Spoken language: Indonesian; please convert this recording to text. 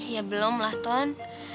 ya belum lah ton